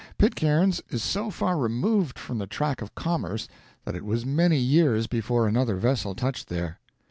Pitcairn's is so far removed from the track of commerce that it was many years before another vessel touched there.